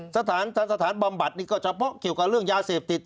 สถานบำบัดนี่ก็เฉพาะเกี่ยวกับเรื่องยาเสพติด